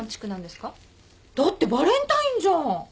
だってバレンタインじゃん。